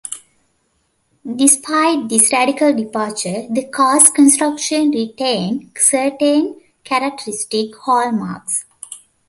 Despite this radical departure, the car's construction retained certain characteristic hallmarks.